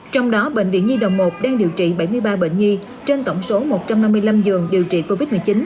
trong đó bệnh viện nhi đồng một đang điều trị bảy mươi ba bệnh nhi trên tổng số một trăm năm mươi năm giường điều trị covid một mươi chín